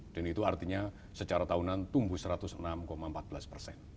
dan itu artinya secara tahunan tumbuh rp satu ratus enam empat belas